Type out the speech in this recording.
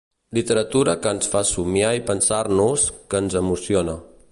Literatura que ens fa somiar i pensar-nos, que ens emociona.